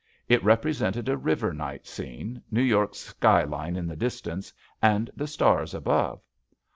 It represented a river night scene, New York's skyline in the dis tance and the stars above.